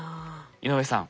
井上さん